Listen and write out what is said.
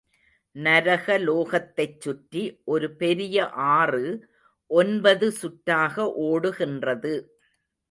நரக லோகத்தைச் சுற்றி ஒரு பெரிய ஆறு ஒன்பது சுற்றாக ஒடுகின்றது.